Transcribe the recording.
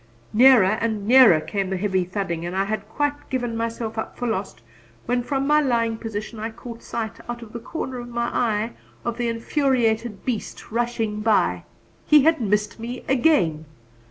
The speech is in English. Nearer and nearer came the heavy thudding and I had quite given myself up for lost, when from my lying position I caught sight, out of the corner of my eye, of the infuriated beast rushing by. He had missed me again!